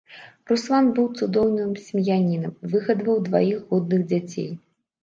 Руслан быў цудоўным сем'янінам, выгадаваў дваіх годных дзяцей.